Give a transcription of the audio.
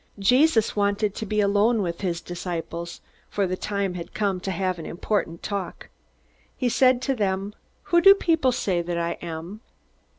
Jesus wanted to be alone with his disciples, for the time had come to have an important talk. He said to them: "Who do people say that I am?"